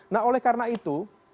nah oleh karena itu